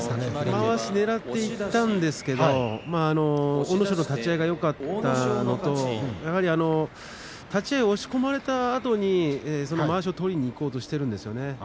まわしをねらっていったんですが阿武咲の立ち合いがよかったのとやはり立ち合い押し込まれたあとにまわしを取りにいこうとしているんですよね。